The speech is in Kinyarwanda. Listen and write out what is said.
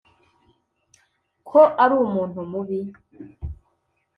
Ko ari umuntu mubi!